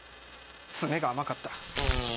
詰めが甘かった。